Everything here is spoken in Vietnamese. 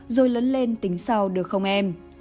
rồi lớn lên tính sau được không em